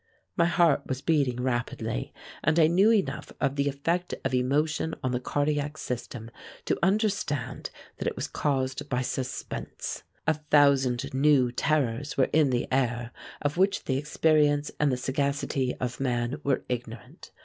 My heart was beating rapidly, and I knew enough of the effect of emotion on the cardiac system to understand that it was caused by suspense. A thousand new terrors were in the air of which the experience and the sagacity of man were ignorant.